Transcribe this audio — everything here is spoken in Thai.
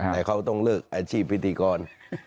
แต่เขาต้องเลิกอาชีพพิธีกร